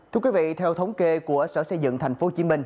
thưa quý vị theo thống kê của sở xây dựng tp hcm